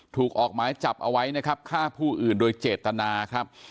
ถูกออกหมายจับเอาไว้นะครับฆ่าผู้อื่นโดยเจตนาครับ